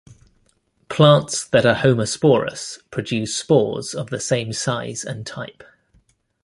Plants that are homosporous produce spores of the same size and type.